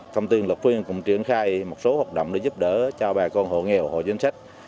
công ty điện lực phú yên cũng triển khai một số hoạt động để giúp đỡ cho bà con hộ nghèo hộ chính sách